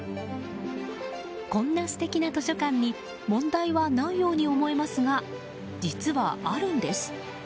こんな素敵な図書館に問題はないように思えますが実は、あるんです。